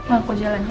aku jalan ya